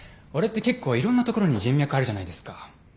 俺って結構いろんな所に人脈あるじゃないですか？